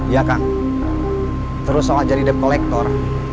ya kang terus soal jadi web collector